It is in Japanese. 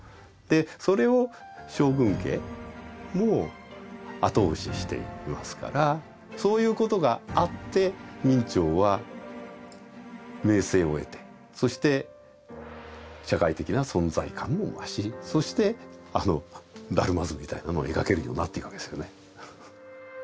それを将軍家も後押ししていますからそういうことがあって明兆は名声を得てそして社会的な存在感も増しそしてあの「達磨図」みたいなのを描けるようになっていくわけですよね。